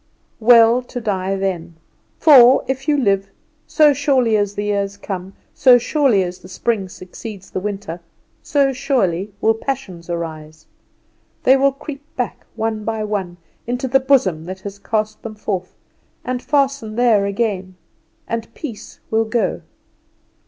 Well to die then; for, if you live, so surely as the years come, so surely as the spring succeeds the winter, so surely will passions arise. They will creep back, one by one, into the bosom that has cast them forth, and fasten there again, and peace will go.